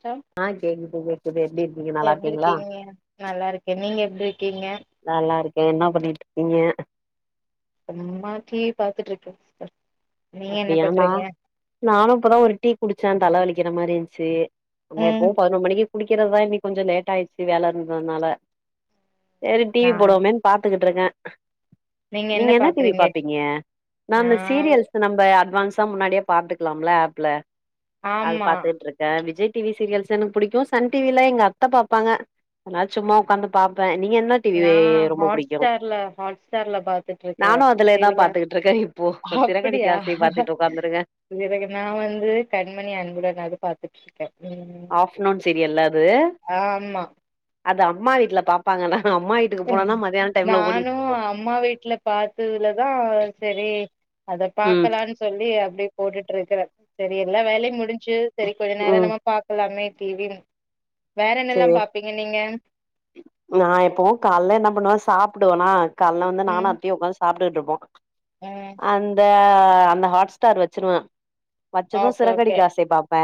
அப்றம் ஆ கேக்குது கேக்குது எப்டி இருக்கீங்க நல்லா எப்டி இருக்கீங்ளா இருக்கீங்க நல்லா இருக்கே நீங்க எப்டி இருக்கீங்க நல்லா இருக்கே என்ன பண்ணிட்டு இருக்கீங்க சும்மா டி வி பாத்துட்டு இருக்கே சிஸ்டர் நீங்க என்ன அப்படியா ந பண்றீங்க நானு இப்பதா ஒரு டீ குடிச்சேன் தலை வலிக்கிற மாரி இருந்ச்சு நம்ம ம் எப்பவு பதினொரு மணிக்கு குடிக்கிறதா இனிக் கொஞ்ச லேட் ஆயிச்சு வேல இருந்ததுனால சரி டி வி நான் போடுவோமேன்னு பாத்துட்டு இருக்கே நீங்க என்ன என்னா டி வி பாக்குறீங்க பாப்பீங்க நா இந்த சீரிஸ் நம்ப அட்வான்ஸா முன்னாடியே பாத்துக்கலாம்ல ஆப்ல அது ஆமா பாத்துட்டு இருக் க்க விஜய் டி வி சீரியல்ஸ் எனக்கு புடிக்கு சன் டி வி ல எங்க அத்த பாப்பாங்க நா சும்மா உக்காந்து பாப்பே நீ என் டி நா வி ரொம்ப ஹாட் புடிக்கு ஸ்டார்ல ஹாட் ஸ்டார்ல பாத்துட்டு இருக்கறே நானு அதுலயே தா டிவில பாத்துக்ட்டு இருக்கே போ சிறகடிக்க ஆசை பாத்துட்டு உக்காந்துருகே பிறகு நா வந்து கண்மணி அன்புடன் அது பாத்துட்டு இருக்கே ம் ஆஃப்னுன் சிரியல்ல அது ஆமா அது அம்மா வீட்ல பாப்பாங்கன்னா அம்மா வீட் டுக்கு போனனா மதியானம் டைம்ல நானு ஓடிட்டுக்கு அம்மா வீட்ல பாததுலதா செரி அத ம் பாக்கலானு சொல்லி அப்டே போட்டுட்டு இருக்குறே செரி எல்லா வேலையும் முடிஞ்சு செரி கொஞ்ச நேர ம் நம்ம பா க்குலாமே டி வி ன் வேற என்னல்லா சேரி பாப்பீங்க நீங்க நா எப்பவு கால்ல என்னா பண்ணுவே சாப்டுவேனா கால்ல வந்து ம் நானு அத்தியு உக்காந்து சாப்டுட்டு இருப்போ ம் அந்த அந்த ஹாட்ஸ்டார் வச்சிருவே வச்சது ஓகே ஓகே சிறகடிக்க ஆசை பாப்பே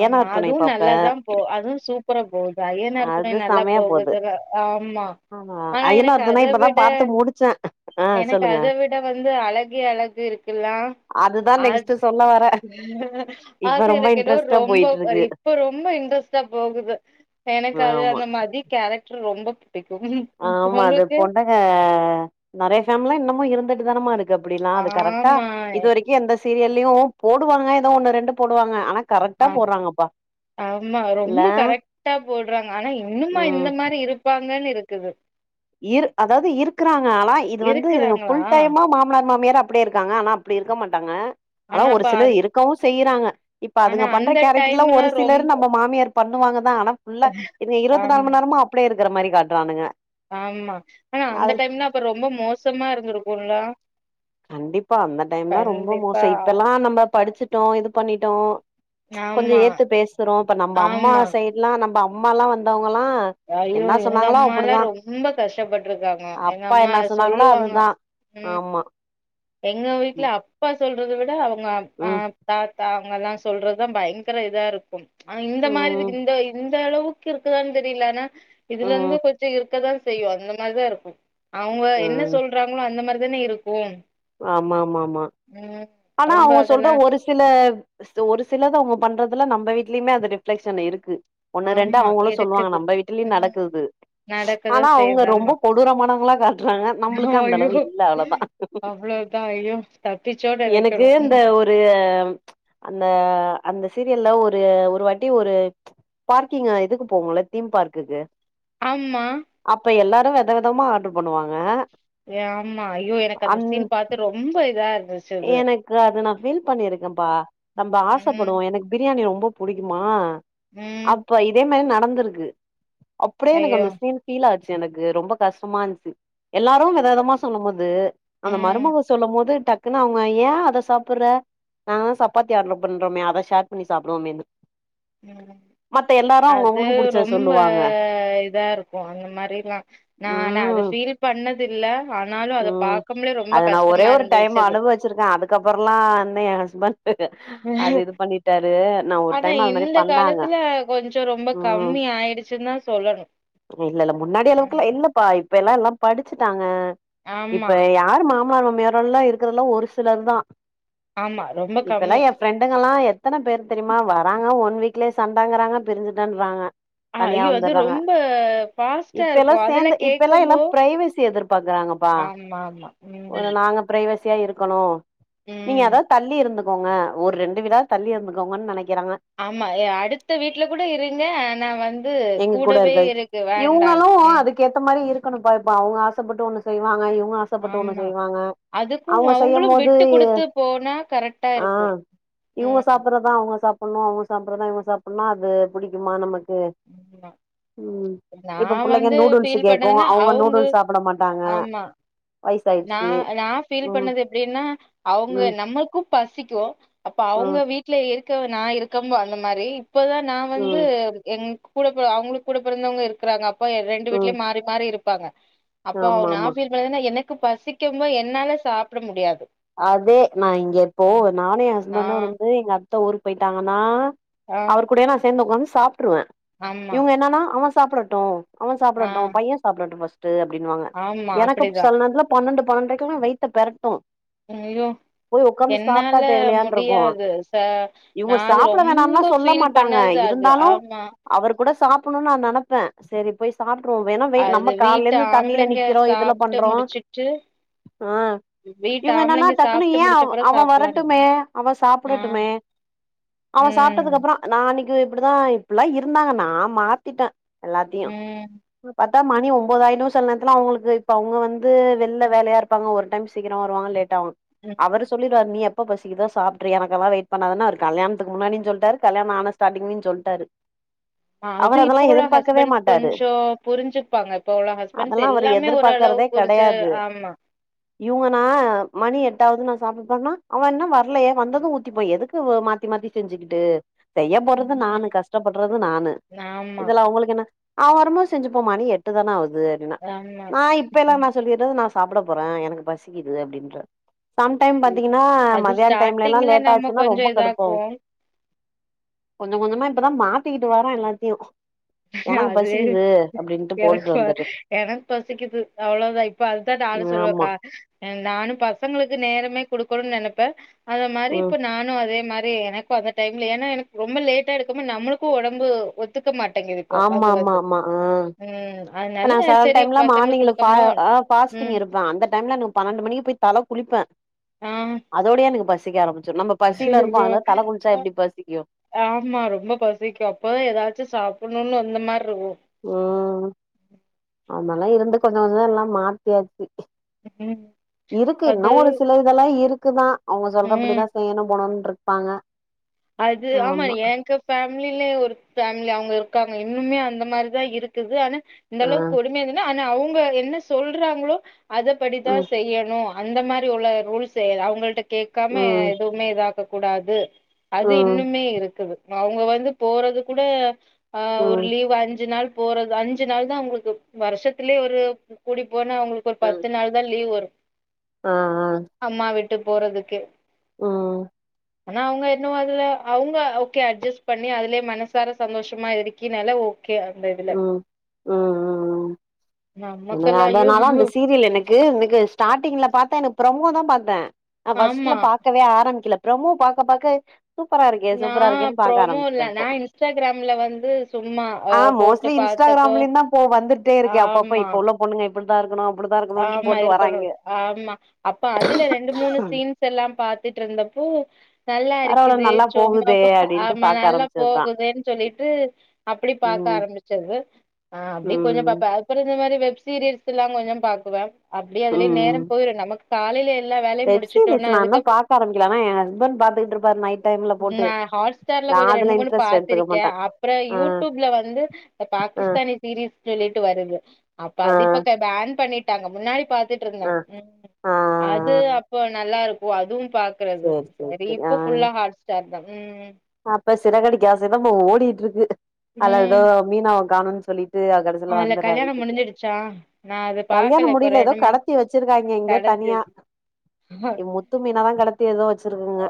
ஆமா துணை அதுவு பாப்பே நல்லாதா போ அதுவு சூப் ப்பரா போகுது ஐயனார் துணை அது நல்லா செமையா போது போகுதுல ஆமா ஆமா ஆனா எனக்கு அய்யனார் துணை அத இப்பதா விட பாத்து முடிச்சே ஆ எனக்கு சொல்லுங்க அத விட வந்து அழகே அழகு இருக் ல்லா அததா நெக்ஸ்ட் சொல்ல வரே இப்ப அது ரொம்ப எனக்கு ஏதோ இன்ட்ரெஸ்ட்டா ரொம்ப போயிட்டு இருக்கு புடிக் இப்ப ரொம்ப இன்ட்ரெஸ்ட்டா போகுது எனக்கு அது ஆமா அந்த மதி கேரக்ட்ர் ரொம்ப பிடிக்கும் உங்களுக்கு அ நறைய ஃபேம்லா இன்னமு இருந்துட்டு தானமா இருக்கு அப்டில்லா அது கரெக்டா ஆமா. இது வரைக் எந்த சீரியலயு போடுவாங்க ஏதோ ஒன்னு ரெண்டு போடுவாங்க ஆனா ஆ கரெக்டா போடுறாங்கப்பா ஆமா இல்ல ரொம்ப கரெக்டா போட்றாங்க ஆனா இன்னுமா ம் இந்த மாரி இருக் ப்பாங்கன் இருக்குது இர் அதாது இருக்கறாங்க ஆனா இது வந்து இதுங்க இருக்குறாங்களா? ஃபுல் டைமா மாமனார் மாமியார அப்டியே இருக்காங்க ஆனா அப்டி இருக்க மாட்டாங்க ஆனா ஒரு அப்ப சிலர் அந் இருக்கவு செய்றாங்க இப்ப ஆனா அதுங்க பண்ற அந்த கேரட்ர்ல ஒரு டைம்லாம் சிலர் ரொம்ப நம்ப மாமியார் பண்ணுவாங்க தா ஆனா ஃபுல்லா என்ன இருவத்தி நாலு ஆமா, மண்நேரமு அப்டே இருக்கற மாரி காட்றானுங்க ஆமா ஆனா அந்த அது டைம்னா அப்ப ரொம்ப மோசமா இருந்துருக்குல்ல கண்டிப்பா அந்த டைம்லா ரொம்ப மோசோ இப்பல்லா நம்ப படிச்சிட்டோ இது பண்ணிட்டோ கொஞ்ச ஆமா, ஏத்து பேசுறோ இப்ப நம்ப அம்மா ஆமா. சைட்ல்லா நம்ப அம்மாலா வந்தவங்கல்லா ஐயோ எங்க அம்மாலா ரொம்ப கஷ்டப்பட்ருக்காங்க எங்க அப்பா அம்மா என்ன சொன்னாங்களோ சொல்லுவாங்க அதுதா ம் ஆமா எங்க வீட்ல ம் அப்பா சொல்றத விட அவுங்க அ ம் தாத்தா அவங்கலா சொல்றதா பயங்கர இதா இருக்கும் ஆனா இந்த மாரி இதுக்கு ம் இந்த இந் இந்தளவுக்கு இருக்குதான் தெரில ஆனா இதுல இருந்து ம் கொஞ்சோ இருக்கதா செய்யு அந்த மாரிதா இருக்கு அவுங்க என்ன ம் சொல்றாங்களோ அந்த மாரி தானே இருக்கு ஆமா ஆமா ஆமா ஆமா ம் ஆனா ரொம்ப அவுங்க சொல்ற அதெல்லா ஒரு சி சில ஒரு சிலத அவுங்க பண்றதுல்ல நம்ப வீட்லியுமே அந்த ரிஃப்ளெக்ஷன் இருக்கு ஒன்னு ரெண்டு ஆமா அவங்களு சொல்லுவாங்க இருக்குது நம்ப வீட்டு்லியு ம் நடக்குது நடக்கதா ஆனா அவுங்க செய்யுது ரொம்ப ஆமா கொடூரமானவங்களா காட்டுறாங்க நம்புளுக்கு அந்தளவு இல்ல அவ்ளோதா அவ்ளோ தா ஐய்யோ தப்பிச்சோ எனக்கு இந்த ஒ ரு அந்த அந்த சீரியல்ல ஒரு ஒரு வாட்டி ஒரு பார்க்கிங்கா இதுக்கு போவுங்கள தீம் பார்க்குக்கு ஆம்மா அப்ப எல்லாரு வெத வெதமா ஆட்ரு பண்ணுவாங்க ஏ ஆமா ஐயோ எனக்கு அந்த அந் சீன் பாத்து ரொம்ப இதா இருந்துச் எனக்கு அது நா ஃபீல் பண்ணியிருக்கப்பா நம்ப ம், ஆசப்படுவோ எனக்கு பிரியாணி ரொம்ப புடிக்குமா ம். அப்ப இதே மாரி நடந்துருக்கு அப்டியே எனக்கு ஐயோ! அந்த சீன் ஃபீல் ஆச்சு எனக்கு ரொம்ப கஷ்டமா இருந்ச்சு எல்லாரு வெதவெதமா சொல்லும் போது அந்த ம், மருமவ சொல்லும் போது டக் குன்னு அவுங்க ஏன் அத சாப்புற நாங்க தா சப்பத்தி ஆட்ரு பண்ணறோமே அத ஷேர் பண்ணி சாப்டுவோமேனு ம் அது அவங்கவுங்களுக்கு புடிச்சத ரொம்ப சொல்லுவாங்க இதா இருக்கோ அந்த மாரிலா நானு அத ம் ஃபீல் பண்ணதில்ல ஆனாலு அத ம் பாக்கம்லே ரொம்ப கஷ்டமா இருந்துச்சு அது ச்சிருக்க அதுக்கப்றோலா இன்னு ஏன் ஹஸ்பண்ட் அது இது பண்ணிட்டாரு நா ஒரு ஆனா டைம் அது மாரி இந்த பண்ணாங்க காலத்துல ம் சின்னா சொல்லனு இல்லல்ல முன்னாடி அளவுக்குல்லா இல்லப்பா இப்ப எல்லா எல்லா படுச்சுட்டாங்க ஆமா, இப்ப யாரு மா மாரு மேரோல்லா இருக்குறல்லா ஒரு சிலர் தா ஆமா ரொம்ப இப்பெல்லா கம்மி எ ஃப்ரெண்டுங்கல்லா எத்தன பேர் தெரிமா வராங்க ஒன் வீக்லேயே சண்டங்றாங்க பிரிஞ்சுட்டன்றாங்க அ ஐயோ அது ரொம்ப ஃபாஸ்ட்டா இப்ப எல்லா இருக்கும். சேந்த அதெல்லாம் இப்ப எல்லா கேட்கம்போ எல்லா பிரைவசி எதிர்பாக்கறாங்கப்பா ஆமாமா. ம், ஒரு நாங்க பிரைவசியா இருக்கணு நீங்க ம். அதா தள்ளி இருந்து கோங்க ஒரு ரெண்டு வீடா தள்ளி இருந்துக்கோங்கன் நனைக்குறாங்க ஆமா ய அடுத்த வீட்ல கூட இருங்க ஆனா வந்து எங்க கூட கூடவே இருக்காது இருக்கு வண் டான் இவங்களு ம் அதுக்கேத்த மாரி இருக்கணு பா இப்ப அவங்க ஆசப்பட்டு ஒண்ணு செய்வாங்க இவங்க ஆச ஆசப்பட்டு ஒண்ணு ஆமா செய்வாங்க அதுக்கும் அவங்க செய்யு அவங்களும் போது விட்டு குடுத்து போனா கரெக்டா ஆ இருக்கும் இவங்க ம் சாப்புறதா அவங்க சாப்புட்ணு அவங்க சாப்புறதா இவங்க சாப்புனு அது புடிக்குமா நமக்கு ம் மா ம் நா இப்ப புள்ளைங்க வந்து நூடுல்ஸ் ஃபீல் கேக்கு பண்ணதுன்னா அவங்க அவுங்க நூடுல்ஸ் சாப்பிட மாட்டாங்க ஆம்மா நா வயசாயிடுச்சு நா ஃபீல் ம் பண்ணது எப்டின்னா அவங்க ம் நம்மளுக்கு பசிக்கு அப்ப அவங்க ம் வீட்ல இருக்க நா இருக்கம்போ அந்த மாரி இப்பதா நா வந்து ம் எங் கூட ப அவங்களுக்கு கூட பெறந்தவங்க இருக்குறாங்க அப்ப ரெண்டு ம் வீட்லயு மாறி மாறி இருப்பாங்க அப்போ ஆமா நா ஆமா ஃபீல் ல தான எனக்கு பசிக்க போ என்னால சாப்ட முடியாது அதே நா இங்க இப்போ ம் நானு எ ஆ ஹஸ்பண்டு வந்து எங்க அத்த ஊருக்கு போய்ட்டாங்கனா ஆ அவரு கூடயே நா சேந்து உக்காந்து சாப்ட்ருவ ஆமா இவங்க என்னன்னா அவ சாப்டட்டு அவ ஆ சாப்டட்டு பைய சாப்டட்டு ஃபஸ்ட்டு அப்டின்னுவங்க ஆமா எனக்கு அப்ப அப்டிதா செல நேத்துல பன்னெண்டு பன்னெண்ரைக்கலா வயித்த பெறட்டு ஐயயோ என்னால தேவலையான்ருக்கு முடியாது ச இவங்க நா அது சாப்ட வேணான்லா ரொம்ப ஃபீல் பண்ணது அது ஆமா அவரு கூட சாப்புன்ணுன் நா நெனப்பே சரி போய் சாப்ட்ருவோ வேணா வெ அது நம்ம கால்லே வீட்டு இருந்து தண்ணில ஆம்பளைங்க நிக்கிறோ இதுல சாப்ட்டு பண்றோ முடிச்சுட்டு ஆ வீட்டு இவுங்க என்னன்னா ஆம்பளைங்க டக்குனு சாப்ட்டு ஏ அவ் முடிச்சப்பறோ அவ சாப்லான்னு வரட்டுமே அவ ஆ சாப்டட்டுமே அவ சாப்ட்டதுக்கு ம் அப்புறோ நா அன்னிக்கு இப்டிதா இப்டில்லா இருந்தாங்க நா மாத்திட்ட எல்லாத்தையு ம் பத் விட்டா மணி ஒம்பதாய்டு சில நேரத்துல அவங்களுக்கு இப்ப அவங்க வந்து வெல்ல வேலையா இருப்பாங்க ஒரு டைம் சீக்கிரோ வருவாங்க லேட்டாவு ம் அவரு சொல்லிடுவாரு நீ எப்ப பசிக்கிதோ சாப்ட்ரு எனக்கெல்லா வெய்ட் பண்ணாதன்னு அவரு கல்யாணத்துக்கு முன்னாடியு சொல்டாரு கல்யாணோ ஆன ஸ்டாட்டிங்லயு சொல்ட்டாரு ஆ அது அவரு இப்ப அதெல்லா உள்ள எதிர்பாக்கவே ஹஸ்பண்ட்ஸ் மாட்டாரு கொஞ்சோ புரிஞ்சுப்பாங்க இப்போ உள்ள ஹஸ்பண்ட்ஸ் அதெல்லா அவரு எல்லாமே ஓரளவு புரிச்சு ஆம்மா இவுங்கனா மணி எட்டாவது நா சாப்புடனா அவ இன்னு வர்லயே வந்தது ஊத்திப்போ எதுக்கு மாத்தி மாத்தி செஞ்சிக்கிட்டு செய்ய போறது நானு ம் கஷ்டப்படுறது நானு ஆமா இதுல அவுங்களுக்கு என்ன அவ வரமோது செஞ்சுப்போ மணி எட்டு தான ஆவுது அப்டின்னா ஆமா நா இப்ப எல்லா என்ன சொல்லிறது நா சாப்ட போற எனக்கு பசிக்குது அப்டின்ற சம் டைம் ம். பாத்தீங்கன்னா அது மத்தியான டைம்லல்லா ஸ்டார்ட்டிங்ல நம்ம லேட்டாச்சுன்னா கொஞ்சோ ரொம்ப கடுப்பாவு இதாக்குவோ கொஞ்சோ கொஞ்சமா இப்பதா மாத்திக்கிட்டு வர எல்லாத்தையு எனக்கு அது பசிக்குது அப்டின்ட்டு எனக்கு போட்டுட்டு ப வந்துரு எனக் பசிக்குது அவ்ளோதா இப்போ அதுதா நானு ஆமா சொல்லுவக்கா நானு பசங்களுக்கு நேரமே குடுக்கணுனு நெனப்பே அத மாரி ம் இப்ப நானு அதே மாரி எனக் ப அந்த டைம்ல ஏன்னா எனக்கு ரொம்ப லேட்டா எடுக்கவு நம்மளுக்கு ஒடம்பு ஒத்துக்க மாட் தங்கிவெப்போ ஆமா வந்து ஆமா வந்து ஆமா ஆ ம் இப்ப அதுனால செரி பசங்கள்க் கொடுக்கம்மோ பாஸ்டிங் இருப்பா அந்த டைம்ல பன்னெண்டு மணிக்கு போய் தல குளிப்ப ஆ அதோடயே எனக்கு பசிக்க ஆரம்பிச்சிரு நம்ம பசில இருப்போ ஐயோ அதுல தல‌ குளிச்சா ஆ எப்டி பசிக்கு ஆமா ரொம்ப பசிக்கு அப்பதா ஏதாச்சு சாப்புட்னுன்னு அந்த மாரிருக்கு ம் நம்மலா இருந்து கொஞ்சொ கொஞ்சொ எல்லா மாத்தியாச்சு ம் இருக்கு அது இன்னொ ஒரு சில இதெல்லா இருக்குதா அவுங்க ம் சொல்றபடிதா செய்யணு போணுனு இருப்பாங்க அது ஆமா ஏங்க ஃபேமிலிலே ஒரு ஃபேமிலி அவுங்க இருக்காங்க இன்னுமே அந்த மாரிதா இருக்குது ஆனா இந்த ஆ அளவுக் கொடுமை என்னனா ஆனா அவுங்க என்ன சொல்றாங்ளோ அத படிதா ம் செய்யணு அந்த மாரி உள்ள ரூல்ஸ் அவுங்கள்ட்ட கேக்காம ம் எதுமே இதாக கூடாது அது ம் இன்னுமே இருக்குது அவுங்க வந்து போறது கூட ஆ ஒரு ம் லீவ் அஞ்சு நாள் போறது அஞ்சு நாள் தா அவுங்களுக் வருஷத்திலே ஒரு கூடி போனா அவுங்களுக் ஒரு ம் பத்து நாள் தா லீவு வரு ஆ ஆ அம்மா விட்டு போறதுக்கு ம் ஆனா அவுங்க ன்னு அதுல அவுங்க ஓகே அட்ஜஸ் பண்ணி அதுலே மனசார சந்தோஷமா இருக்கினால ஒ கே அந்தது ம் ம் ம் நமக்கெல்லா ஐயோ அந்தனால அந்த சீரியல் எனக் கு இன்னக்கு ஸ்டாட்டிங்ல பாத்த ப்ரமோ தா பார்த்த நா ஃபர்ஸ்ட்ல ஆமா பாக்கவே ஆரம்பிக்ல ப்ரமோ பாக்க பாக்க சூப்பரா இருக்கே நா சூப்பரா இருக்கேனு பாக்க ப்ரோமோ இல்ல ஆரம்பிச்சுட்டே இப்போ நா இன்ஸ்டாகிராம்ல வந்து சும்மா அ ஆ மோ போட்டு பாத்தப்போ இன்ஸ்டாகிராம்லயு தா ப்போ வந்துட்டே இருக்கே அப்பப்ப ஆமா இப்ப உள்ள பொண்ணுங்க இப்டிதா இருக்கணு அப்டிதா இருக் ஆமா இருக்கணு ஆமா அப்ப அதுல ரெண்டு மூணு சீன் ஸ் எல்லா பாத்துட்ருந்தப்போ நல்லா பரவால்ல இருக்குதே நல்லா சொம்மா போகுதே பொ அப்டின்ட்டு ஆமா பாக்க நல்லா ஆரம்பிச்சதுதா போகுதேனு சொல்லிட்டு அப்டி பாக்க ம் ஆரம்பிச் சது அப்டி கொஞ்சொ ம் பாப்பே அப்றொ இந்த மாரி வெப் சீரீயஸ்லா கொஞ்சொ பாக்குவே அப்டி அதுலே ம் நேரம் போயிரு நமக் காலைல எல்லா வேலையு வெப் சீரிஸ் முடுச்சுட்டோனா நா இன்னு அதுக்கப்பு பாக்க ஆரம்பிக்கல ஆனா எ ஹஸ்பண்ட் பாத்துக்கிட்டு இருப்பாரு நைட் டைம்ல போட்டு ஹாட்ஸ் ஸ்டார்ல நா கொஞ்சொ ரெண்டு அதுல மூனு இன்ட்ரெஸ்ட் எடுத்துக்க பாத்திருக்கே மாட்டே அப்றொ ஆ யூடூப்ல வந்து ஆ பாகிஸ்தானி சீரிஸ் சொல்லிட்டு வருது அப்ப ஆ அது இப்ப க பேன் பண்ணிட் டாங்க முன்னாடி பாத்துட்ருந்தே ஆ ம் ஆ அது அப்போ நல்லா இருக்கு அதுவு பாக் றது சேரி சேரி சரி சேரி ஆ இப்ப ஃபுல்லா ஹாட் ஸ்டார் தா ம் அப்ப சிறகடிக்க ஆசைதாப்ப ஓடிட்ருக்கு அதல எதோ ம் மீனாவ காணொன் சொல்லிட்டு கடசில அதுல வந்துறா கல்யாணோ வீட்டுக்கு முடிஞ்சிடுச்சா நா அது கல்யாணொ பாக்கல இப்ப முடியல எதோ ரெண்டு மூணு கடத்தி வச்சிருக்காங்கெ எங்யோ தனியா கடச்சிருச்சு முத்து [unintelligible] மீனதா கடத்தி ஏதோ வச்சிருக்குங்க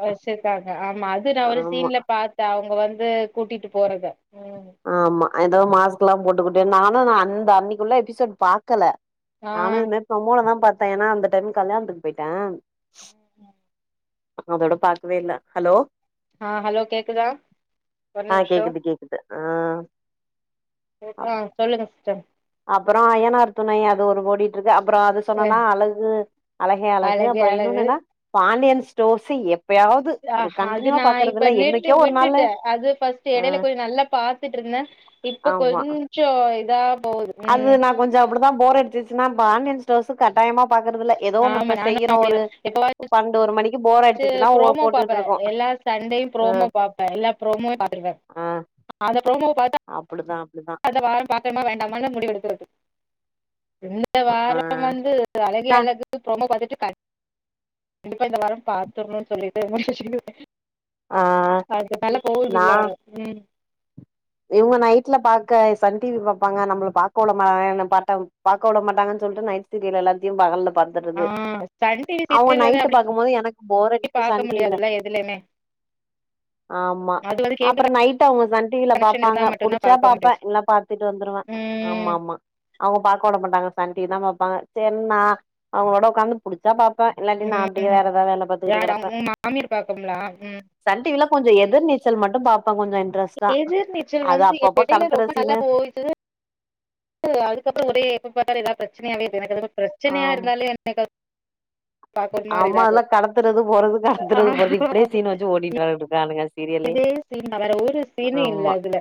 ஆமா அது நா ஒரு ஆமா சீன்ல பாத் இத அவங்க வந்து கூட்டிட்டு போறத ம் ஆமா ஏதோ மாஸ்க்லா போட்டுகுட்டு நானு நா அந்த அன்னைக்குள்ள எபிசோட் பாக்கல ஆ நானு இது மாறி பிரமோளதா பார்த்தே ஏன்னா அந்த டைம் கல்யாணத்துக்கு போயிட்டே ஆமா அப்றோ அதோட பாக்கவே இல்ல ஹலோ ஆ ஹலோ கேக்குதா ஒரு ஆ நிமிஷோ கேக்குது கேக்குது ஆ கேக்குதா சொல்லுங்க சிஸ்டர் அப்றோ அய்யனார் துணை அது ஒரு ஓடி ட்ருக்கு அப்றோ அது அ சொன்னனா அழகு அழகே அழகு அப்றோ இன்னொன்னு என்னா பாண்டியன் ஸ்டோர்ஸு எப்பயாவ்து ஆ அது நா இப்ப நிறுத்தி ஒரு நாளு விட்டுட்டே அது பர்ஸ்ட் இடையில ம் கொஞ்சோ நல்லா பாத்துட்ருந்தே இப்ப ஆமா கொஞ்சோ இதா போகுது அது ம் நா கொஞ்சோ அப்டிதா போர் அடிச்சுச்சின்னா பாண்டியன் ஸ்டோர்ஸு கட்டாயமா பாக்குறதில்ல எதோ ஒண்ணு ஆமா இப்ப நானு செய்யறோ ஒரு அப்டிதா எப்பவாச்சு பன்னண்டு ஒரு மணிக்கு போர் அடுச்சுச்சுன்னா போட்டுட்ருக்கோ சண்டே ப்ரோமோ பாப்ப எல்லா ப்ரோமோ பாத்துடுவ ஆ அந்த ப்ரோமோ பாத்தா அப்டிதா அப்டிதா அந்த வாரோ பாக்கலாமா வேண்டாமான்னு முடிவு எடுக்றது இந்த ஆ வாரோ வந்து அழகே தா அழகு ப்ரோமோ பார்த்துட்டு இருப்பே கண்டிப்பா இந்த வாரோ பாத்திர்ணு சொல்லிட்டு ஆ அது நல்லா போகுதுங்களா ம் இவங்க நைட்ல பாக்க சன் டிவி பாப்பாங்க நம்மள பாக்க ஒடாம என்ன பாட்டோ பாக்க உட மாட்டாங்கனு சொல்ட்டு நைட் சீரியல் எல்லாத்தையு பகல்ல பாத் ஆ சன் டிவி சீரியல் வந்து அப்டி பாக்கும்போது எனக்கு போர் [inaudible] அடிக்கு பாக்க சன் டிவில முடியாதுல்ல எதுலயுமே ஆமா அது வந்து கேபிள் அப்றோ நைட் அவங்க சன் டிவில பாப் கனெக்ஷன் இருந்தா பாங்க மட்டுந்தா புடிச்சா பாக்க பாப்பே முடியும் இல்ல பாத்துட்டு வந்துருவே ம் ஆமா ஆமா அவங்க பாக்க உட மாட்டாங்க சன் டிவி தா பாப்பாங்க சரி நா அவங்ளோட ஒக்காந்து புடிச்சா பாப்ப இல்லாட்டி நா அப்டியே ம் வேற ஏதாவது வேல பாத்துக்கிட்டு யார் கிடப்பே அவங்க உங்க மாமியார் பாக்குங்களா ம் சன் டிவில கொஞ்ச எதிர் நீச்சல் மட்டு பாப்பே கொஞ்சோ இன்ட்ரெஸ்ட்டா இது அது வந்து அப்பப்ப இடையில கடத்துற ரொம்ப நல்லா சீனு போய் ட்டு அதுக்கப்றோ ஒரே எப்பபாத்தாலு பிரச்சனையாவே இருக் எனக்கு என்னம்மோ பிரச்சனையா இருந்தாலே என்னை ஆமால்லா கடத்துறது போறது ஆ கடத்துறது போறது இப்படியே சீன் வச்சு ஓட்டிட்டு வரட்டு இருக்கானுங்க சீரியலே இதே சீன் வேற ஒரு சீனு இல்ல ஆமா அதுல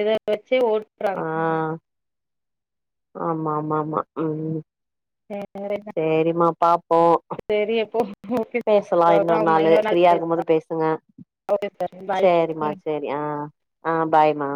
எத வச்சே ஓட்டுறாங்க ஆ ஆமா ஆமா ஆமா ம் ம் செரிமா பாார்போ சரி அப்போ ஓகே பேசலாம் இன்னொரு நாளு நாள் ஃப்ரீயா இருக்கும்போது பேசலாம் பேசுங்க ஓகே சார் பாய் அம்மா ம் சரி ஆ ஆ பாய்மா